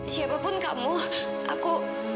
siapapun kamu aku